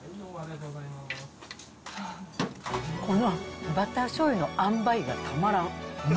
このバターしょうゆの塩梅がたまらん。